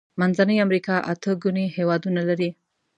منځنۍ امريکا اته ګونې هيوادونه لري.